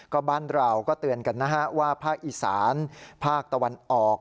ก็บ้านเราก็เตือนกันนะฮะว่าภาคอีสานภาคตะวันออก